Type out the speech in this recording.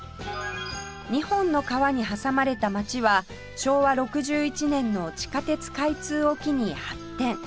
２本の川に挟まれた街は昭和６１年の地下鉄開通を機に発展